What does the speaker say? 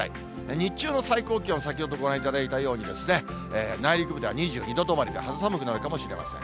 日中の最高気温、先ほどご覧いただいたように、内陸部では２２度止まりで、肌寒くなるかもしれません。